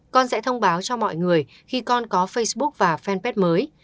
con sẽ thông báo cho mọi người khi con có facebook và fanpage mới